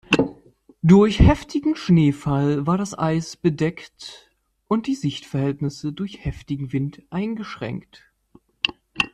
Durch heftigen Schneefall war das Eis bedeckt und die Sichtverhältnisse durch heftigen Wind eingeschränkt.